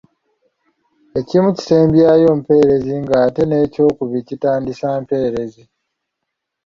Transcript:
Ekimu kisembyayo mpeerezi nga ate n’ekyokubiri kitandisa mpeerezi.